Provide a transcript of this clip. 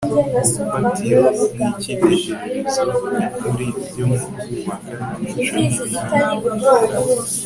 urufatiro n'icyitegererezo nyakuri byo kubaka imico ntibihinduka